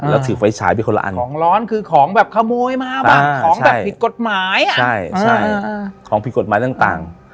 แล้วถือไฟฉายไปคนละอันของร้อนคือของแบบขโมยมาบ้าง